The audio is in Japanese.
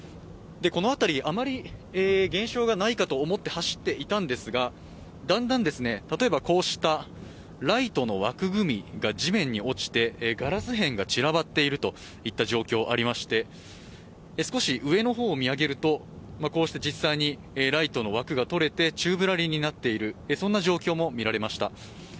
この辺り、あまり現象がないかと思って走っていたのですが、だんだん、ライトの枠組みが地面に落ちてガラス片が散らばっているといった状況がありまして、少し上の方を見上げると、実際にライトの枠が取れて宙ぶらりんになっている、そんな状況も見られました。